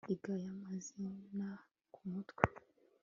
Iga aya mazina kumutwe